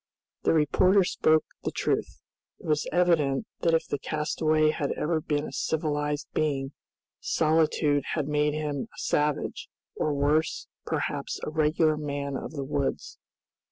The reporter spoke the truth. It was evident that if the castaway had ever been a civilized being, solitude had made him a savage, or worse, perhaps a regular man of the woods.